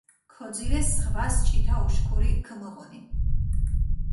ქოძირეს, ზღვას ჭითა უშქური ქჷმუღუნი.